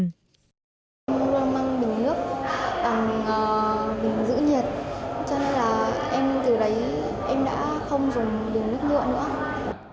em mang bình nước bằng bình giữ nhiệt cho nên là em từ đấy em đã không dùng bình nước nhựa nữa